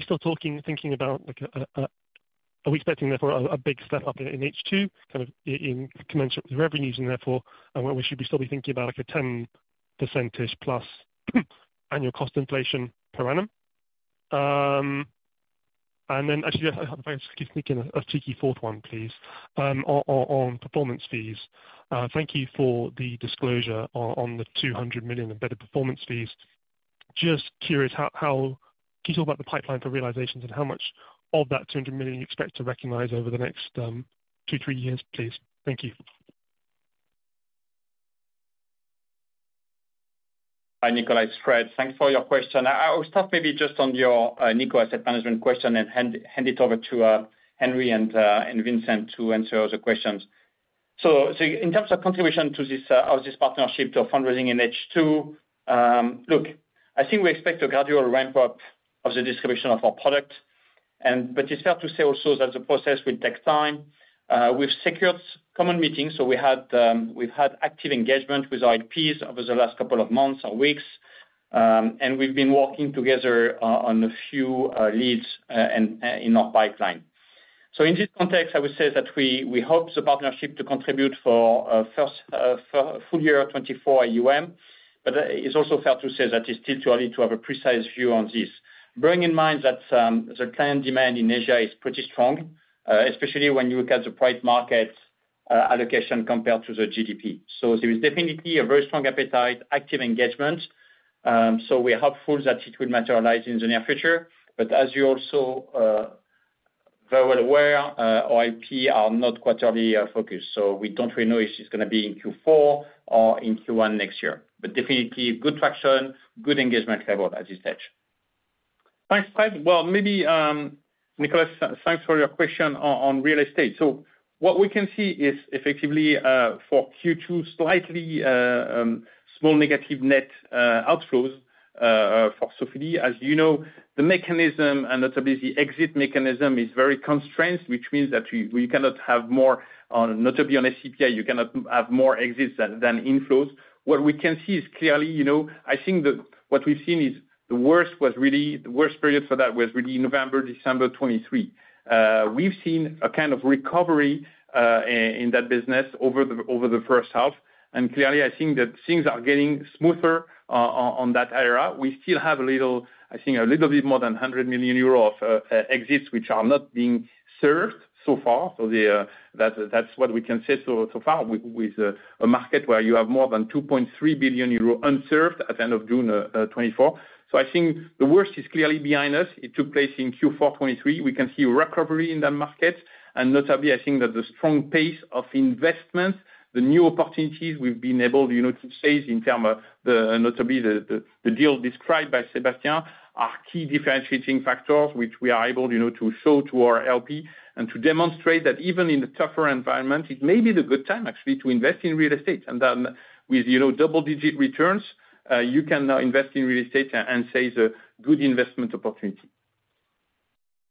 still talking, thinking about like a, are we expecting therefore a big step up in H2, kind of in commercial revenues, and therefore, and what we should still be thinking about, like a 10%-ish plus annual cost inflation per annum? And then actually, I have a very sneaky, cheeky fourth one, please. On performance fees. Thank you for the disclosure on the 200 million embedded performance fees. Just curious, how... Can you talk about the pipeline for realizations, and how much of that 200 million you expect to recognize over the next 2-3 years, please? Thank you. Hi, Nicholas, Fred. Thanks for your question. I'll start maybe just on your Nikko Asset Management question, and hand it over to Henri and Vincent to answer the questions. So in terms of contribution of this partnership to fundraising in H2, look, I think we expect a gradual ramp up of the distribution of our product, and but it's fair to say also that the process will take time. We've secured common meetings, so we've had active engagement with our IPs over the last couple of months or weeks. And we've been working together on a few leads, and in our pipeline. So in this context, I would say that we hope the partnership to contribute for first full year 2024 AUM, but it's also fair to say that it's still too early to have a precise view on this. Bearing in mind that the client demand in Asia is pretty strong, especially when you look at the private market allocation compared to the GDP. So there is definitely a very strong appetite, active engagement, so we're hopeful that it will materialize in the near future. But as you're also very well aware, our AUM are not quarterly focused, so we don't really know if it's going to be in Q4 or in Q1 next year. But definitely good traction, good engagement level at this stage. Thanks, Fred. Well, maybe, Nicholas, thanks for your question on real estate. So what we can see is effectively, for Q2, slightly small negative net outflows for Sofidy. As you know, the mechanism, and notably the exit mechanism, is very constrained, which means that we cannot have more notably on SCPI, you cannot have more exits than inflows. What we can see is clearly, you know, I think what we've seen is the worst was really, the worst period for that was really November, December 2023. We've seen a kind of recovery in that business over the first half, and clearly I think that things are getting smoother on that area. We still have a little, I think a little bit more than 100 million euros of exits, which are not being served so far. So the, that's, that's what we can say so, so far with, with a market where you have more than 2.3 billion euro unserved at the end of June 2024. So I think the worst is clearly behind us. It took place in Q4 2023. We can see recovery in that market, and notably, I think that the strong pace of investment, the new opportunities we've been able, you know, to chase in term of the, notably the deal described by Sébastien, are key differentiating factors, which we are able, you know, to show to our LP, and to demonstrate that even in the tougher environment, it may be the good time, actually, to invest in real estate. With, you know, double-digit returns, you can now invest in real estate and say is a good investment opportunity.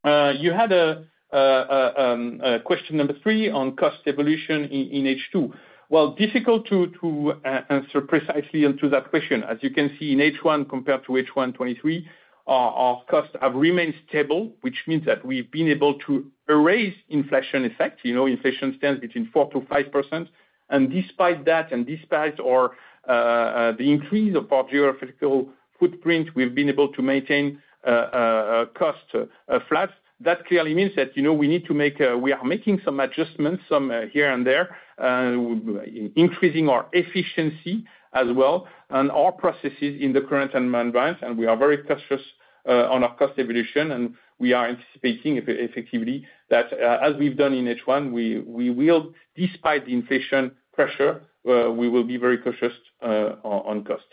You had a question number three on cost evolution in H2. Well, difficult to answer precisely onto that question. As you can see, in H1 compared to H1 2023, our costs have remained stable, which means that we've been able to erase inflation effect. You know, inflation stands between 4%-5%, and despite that, and despite our the increase of our geographical footprint, we've been able to maintain cost flat. That clearly means that, you know, we need to make, we are making some adjustments, some here and there, increasing our efficiency as well, and our processes in the current environment, and we are very cautious on our cost evolution, and we are anticipating effectively, that as we've done in H1, we will, despite the inflation pressure, we will be very cautious on cost.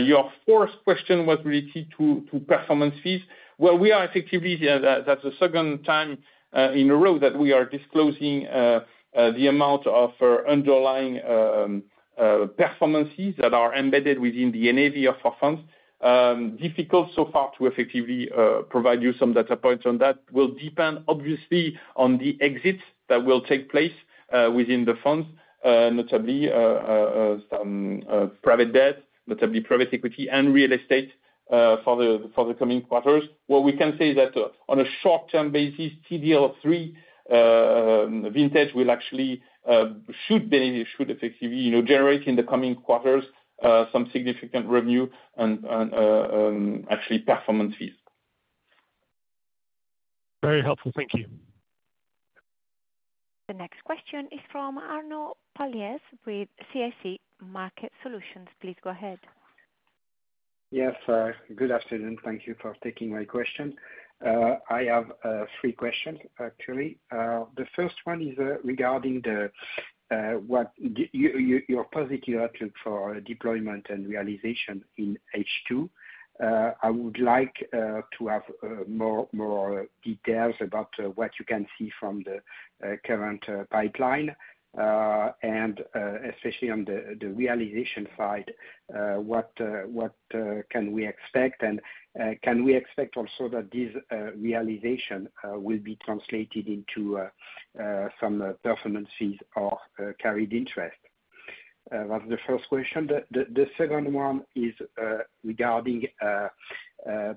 Your fourth question was related to performance fees. Well, we are effectively, that's the second time in a row that we are disclosing the amount of underlying performance fees that are embedded within the NAV of our funds. Difficult so far to effectively provide you some data points on that. Will depend, obviously, on the exits that will take place within the funds, notably some private debt, notably private equity and real estate, for the coming quarters. What we can say is that, on a short-term basis, TDL III vintage will actually should be, should effectively, you know, generate in the coming quarters some significant revenue and, and actually performance fees. Very helpful. Thank you. The next question is from Arnaud Palliez with CIC Market Solutions. Please go ahead.... Yes, good afternoon. Thank you for taking my question. I have three questions, actually. The first one is regarding what your positive outlook for deployment and realization in H2. I would like to have more details about what you can see from the current pipeline. And especially on the realization side, what can we expect? And can we expect also that this realization will be translated into some performance fees or carried interest? That's the first question. The second one is regarding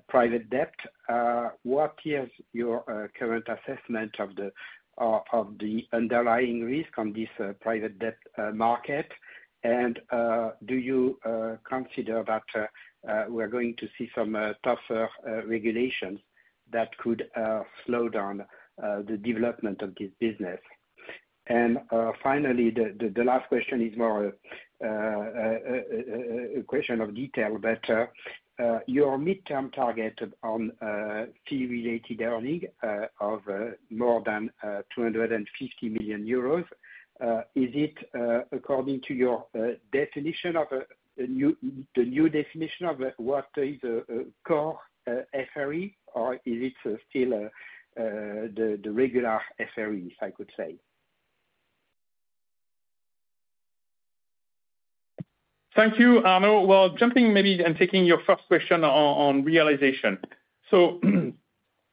private debt. What is your current assessment of the underlying risk on this private debt market? Do you consider that we're going to see some tougher regulations that could slow down the development of this business? Finally, the last question is more a question of detail, but your midterm target on fee-related earning of more than 250 million euros, is it according to your definition of a new, the new definition of what is core FRE, or is it still the regular FRE, if I could say? Thank you, Arnaud. Well, jumping maybe and taking your first question on realization. So,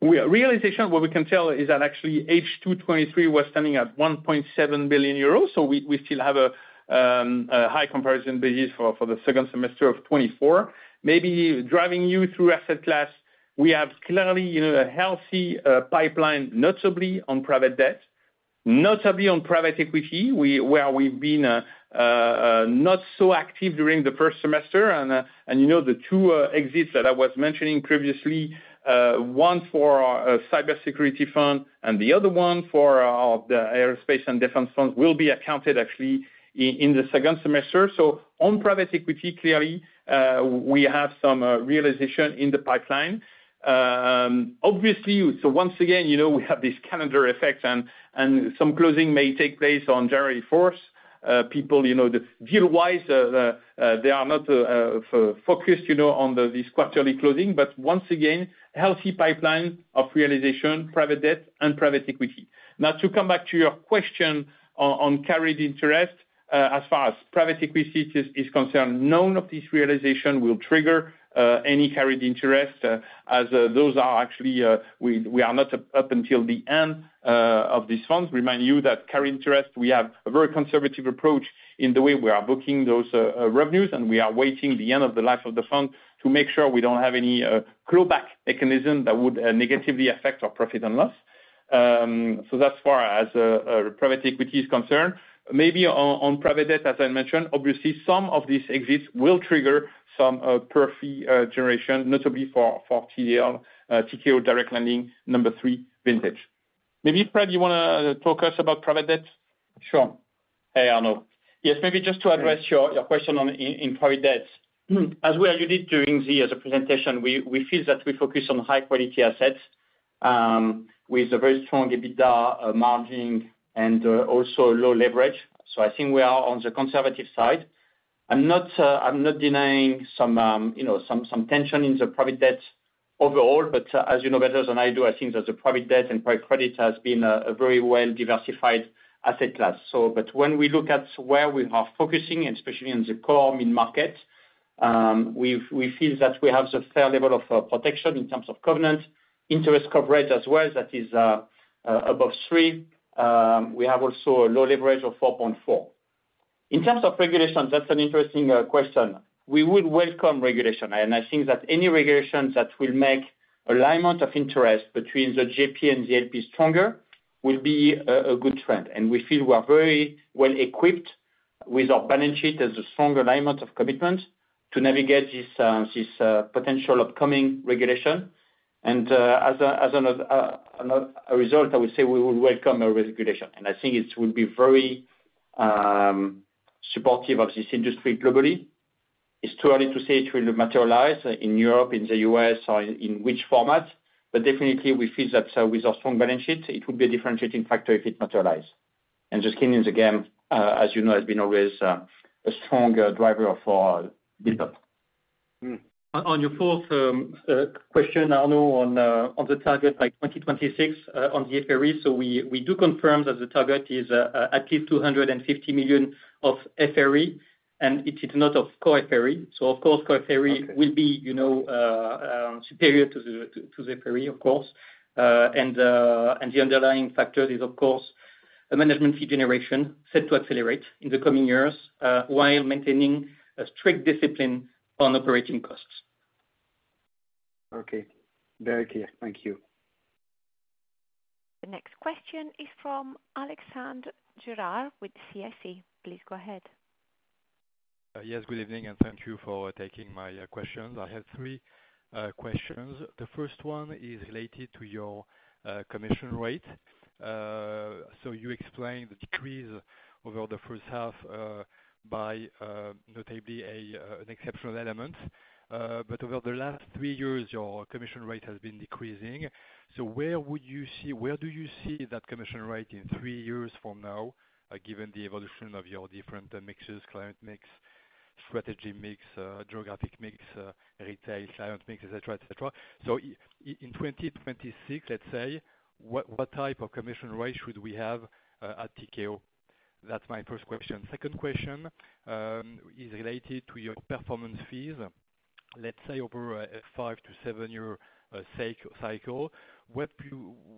realization, what we can tell is that actually H2 2023 was standing at 1.7 billion euros, so we still have a high comparison basis for the second semester of 2024. Maybe driving you through asset class, we have clearly, you know, a healthy pipeline, notably on private debt, notably on private equity, where we've been not so active during the first semester. And, and you know, the two exits that I was mentioning previously, one for our cybersecurity fund, and the other one for our the aerospace and defense fund, will be accounted actually in the second semester. So on private equity, clearly, we have some realization in the pipeline. Obviously, so once again, you know, we have this calendar effect and some closing may take place on January 4th. People, you know, the deal-wise, they are not focused, you know, on this quarterly closing, but once again, healthy pipeline of realization, private debt and private equity. Now, to come back to your question on carried interest, as far as private equity is concerned, none of this realization will trigger any carried interest, as those are actually we are not up until the end of these funds. remind you that carried interest, we have a very conservative approach in the way we are booking those revenues, and we are waiting the end of the life of the fund to make sure we don't have any clawback mechanism that would negatively affect our profit and loss. So that's as far as private equity is concerned. Maybe on, on private debt, as I mentioned, obviously, some of these exits will trigger some perf fee generation, notably for, for TDL, Tikehau Direct Lending number three vintage. Maybe, Fred, you wanna talk us about private debt? Sure. Hey, Arnaud. Yes, maybe just to address your question on private debt. As we alluded during the presentation, we feel that we focus on high quality assets with a very strong EBITDA margin and also low leverage. So I think we are on the conservative side. I'm not denying some, you know, some tension in the private debt overall, but as you know better than I do, I think that the private debt and private credit has been a very well diversified asset class. But when we look at where we are focusing, especially in the core mid-market, we feel that we have the fair level of protection in terms of covenant, interest coverage as well, that is above three. We have also a low leverage of 4.4. In terms of regulation, that's an interesting question. We would welcome regulation, and I think that any regulation that will make alignment of interest between the GP and the LP stronger will be a good trend. And we feel we are very well equipped with our balance sheet as a strong alignment of commitment to navigate this potential upcoming regulation. And, as a result, I would say we would welcome a regulation, and I think it would be very supportive of this industry globally. It's too early to say it will materialize in Europe, in the US, or in which format, but definitely we feel that with our strong balance sheet, it would be a differentiating factor if it materialize. Just again, as you know, has been always, a strong, driver for business. On your fourth question, Arnaud, on the target by 2026, on the FRE. So we, we do confirm that the target is at least 250 million of FRE, and it is not of core FRE. So of course, core FRE- Okay. will be, you know, superior to the FRE, of course. And the underlying factor is, of course, the management fee generation set to accelerate in the coming years, while maintaining a strict discipline on operating costs. Okay. Very clear. Thank you. The next question is from Alexandre Gérard with CIC. Please go ahead.... Yes, good evening, and thank you for taking my questions. I have three questions. The first one is related to your commission rate. So you explained the decrease over the first half by notably an exceptional element. But over the last 3 years, your commission rate has been decreasing. So where do you see that commission rate in 3 years from now, given the evolution of your different mixes, client mix, strategy mix, geographic mix, retail client mix, et cetera, et cetera? So in 2026, let's say, what type of commission rate should we have at Tikehau? That's my first question. Second question is related to your performance fees. Let's say over a 5- to 7-year cycle, what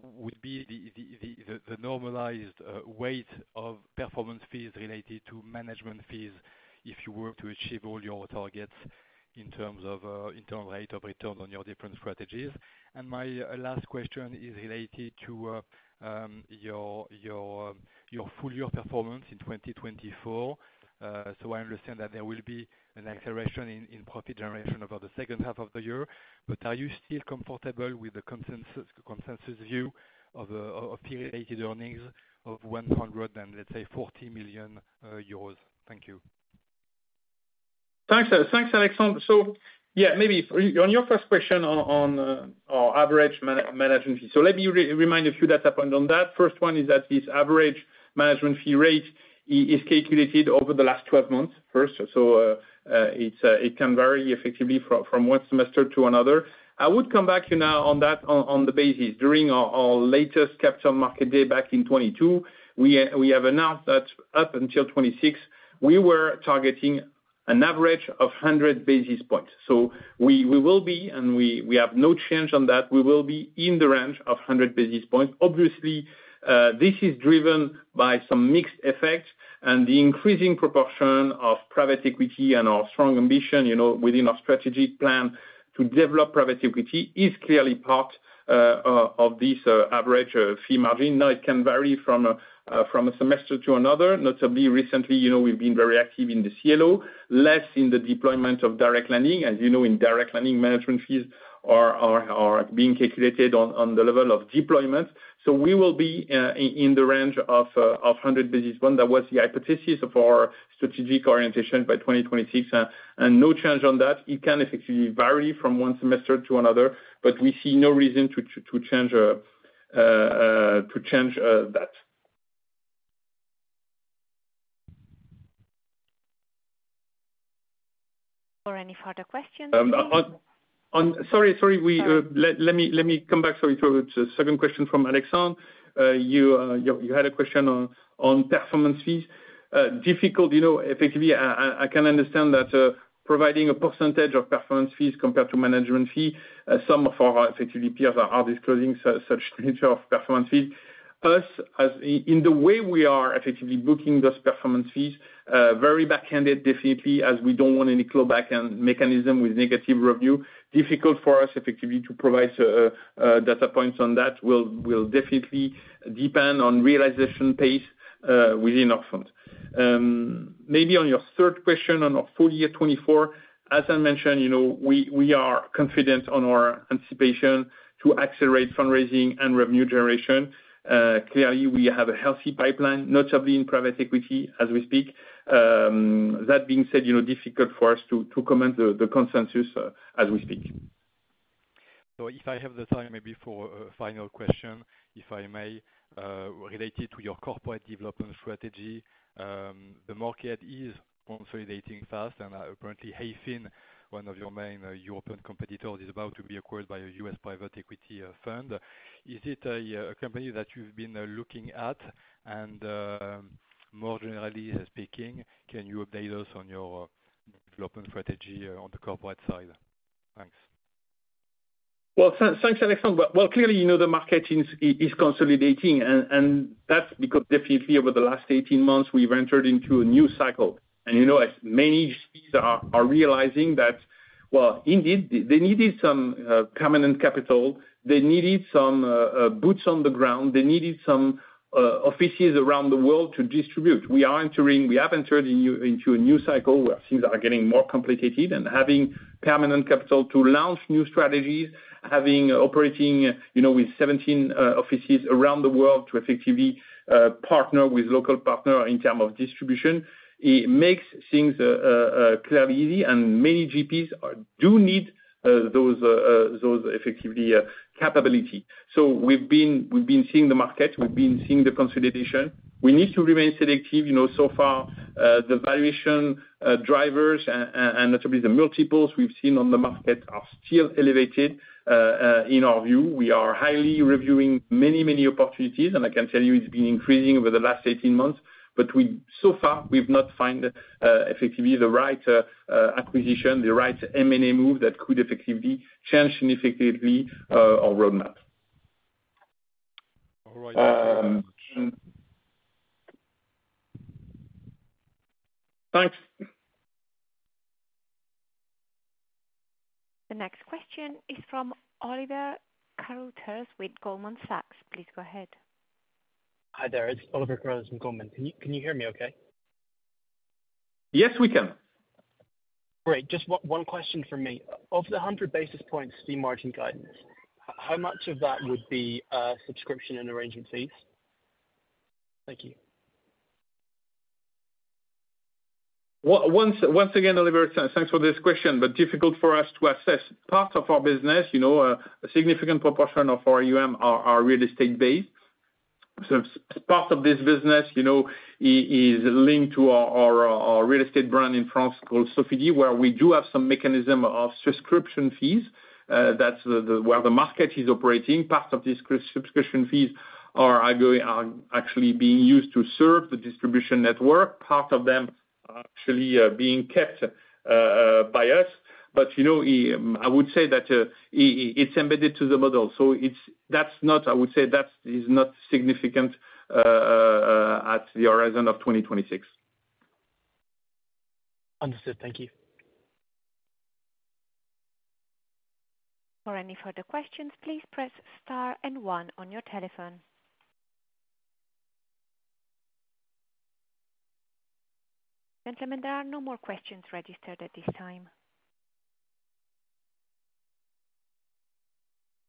would be the normalized weight of performance fees related to management fees if you were to achieve all your targets in terms of internal rate of returns on your different strategies? And my last question is related to your full year performance in 2024. So I understand that there will be an acceleration in profit generation over the second half of the year, but are you still comfortable with the consensus view of period earnings of, let's say, 140 million euros? Thank you. Thanks, thanks, Alexandre. So, yeah, maybe on your first question on our average management fee. So let me remind a few data points on that. First one is that this average management fee rate is calculated over the last 12 months first. So, it can vary effectively from one semester to another. I would come back to you now on that, on the basis. During our latest Capital Markets Day back in 2022, we have announced that up until 2026, we were targeting an average of 100 basis points. So we will be, and we have no change on that, we will be in the range of 100 basis points. Obviously, this is driven by some mixed effects, and the increasing proportion of private equity and our strong ambition, you know, within our strategic plan to develop private equity, is clearly part of this average fee margin. Now, it can vary from a semester to another. Notably recently, you know, we've been very active in the CLO, less in the deployment of direct lending. As you know, in direct lending, management fees are being calculated on the level of deployment. So we will be in the range of 100 basis point. That was the hypothesis of our strategic orientation by 2026, and no change on that. It can effectively vary from one semester to another, but we see no reason to change that. For any further questions- Sorry, sorry, we Sorry. Let me come back, sorry, to the second question from Alexandre. You had a question on performance fees. Difficult, you know, effectively, I can understand that, providing a percentage of performance fees compared to management fee, some of our effectively peers are disclosing such nature of performance fees. Us, as in the way we are effectively booking those performance fees, very back-ended definitely, as we don't want any clawback and mechanism with negative review. Difficult for us effectively to provide data points on that. We will definitely depend on realization pace within our funds. Maybe on your third question on our full year 2024, as I mentioned, you know, we are confident on our anticipation to accelerate fundraising and revenue generation. Clearly, we have a healthy pipeline, notably in private equity as we speak. That being said, you know, difficult for us to comment the consensus, as we speak. So if I have the time, maybe for a final question, if I may, related to your corporate development strategy. The market is consolidating fast, and apparently, Hayfin, one of your main European competitors, is about to be acquired by a U.S. private equity fund. Is it a company that you've been looking at? And more generally speaking, can you update us on your development strategy on the corporate side? Thanks. Well, thanks, Alexandre. Well, well, clearly, you know, the market is consolidating, and that's because definitely over the last 18 months, we've entered into a new cycle. And, you know, as many GPs are realizing that, well, indeed, they needed some permanent capital. They needed some boots on the ground. They needed some offices around the world to distribute. We have entered into a new cycle, where things are getting more competitive. And having permanent capital to launch new strategies, having operating, you know, with 17 offices around the world to effectively partner with local partner in terms of distribution, it makes things clearly, and many GPs do need those capabilities. So we've been seeing the market, we've been seeing the consolidation. We need to remain selective. You know, so far, the valuation drivers, and notably the multiples we've seen on the market, are still elevated, in our view. We are highly reviewing many, many opportunities, and I can tell you it's been increasing over the last 18 months. But we-- so far, we've not find effectively the right acquisition, the right M&A move that could effectively change significantly our roadmap. All right. Thank you very much. Thanks. The next question is from Oliver Carruthers with Goldman Sachs. Please go ahead. Hi there, it's Oliver Carruthers from Goldman. Can you, can you hear me okay? Yes, we can. Great. Just one question from me. Of the 100 basis points fee margin guidance, how much of that would be, subscription and arrangement fees? Thank you. Once again, Oliver, thanks for this question, but difficult for us to assess. Part of our business, you know, a significant proportion of our AUM are real estate based. So part of this business, you know, is linked to our real estate brand in France called Sofidy, where we do have some mechanism of subscription fees. That's where the market is operating, part of these subscription fees are actually being used to serve the distribution network. Part of them are actually being kept by us. But, you know, I would say that it's embedded to the model, so it's. That's not. I would say that is not significant at the horizon of 2026. Understood. Thank you. For any further questions, please press star and one on your telephone. Gentlemen, there are no more questions registered at this time.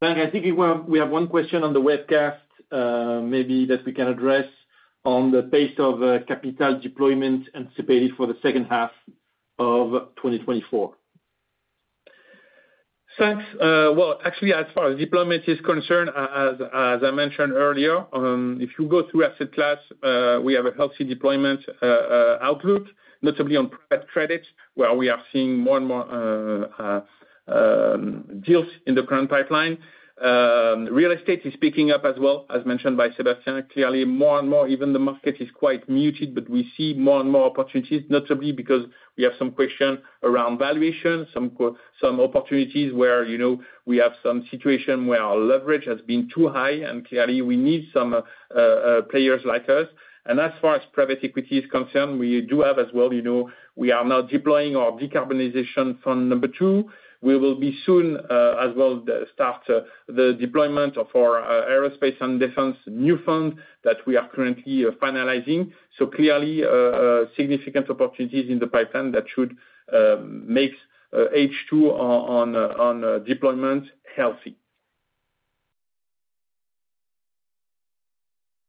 I think we have one question on the webcast, maybe that we can address on the pace of capital deployment anticipated for the second half of 2024. Thanks. Well, actually, as far as deployment is concerned, as I mentioned earlier, if you go through asset class, we have a healthy deployment outlook, notably on private credits, where we are seeing more and more deals in the current pipeline. Real estate is picking up as well, as mentioned by Sébastien. Clearly, more and more, even the market is quite muted, but we see more and more opportunities, notably because we have some question around valuation, some opportunities where, you know, we have some situation where our leverage has been too high, and clearly we need some players like us. As far as private equity is concerned, we do have as well, you know, we are now deploying our decarbonization fund number 2. We will be soon as well start the deployment of our aerospace and defense new fund that we are currently finalizing. So clearly, significant opportunities in the pipeline that should make H2 on deployment healthy.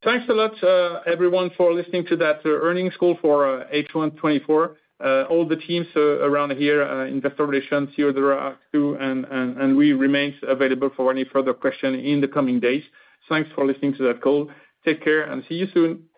Thanks a lot, everyone, for listening to that earnings call for H1 2024. All the teams around here, investor relations here, there are two, and we remain available for any further question in the coming days. Thanks for listening to that call. Take care and see you soon.